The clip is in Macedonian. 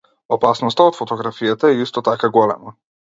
Опасноста од фотографијата е исто така голема.